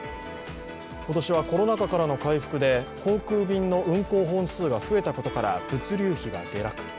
今年はコロナ禍からの回復で、航空便の運航本数が増えたことから、物流費が下落。